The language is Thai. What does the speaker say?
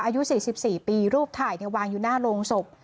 อายุสี่สิบสี่ปีรูปถ่ายเนี่ยวางอยู่หน้าโรงศพ